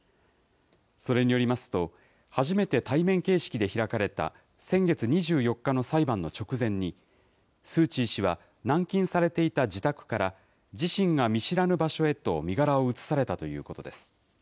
それによりますと、初めて対面形式で開かれた先月２４日の裁判の直前に、スー・チー氏は軟禁されていた自宅から、自身が見知らぬ場所へと身柄を移されたということです。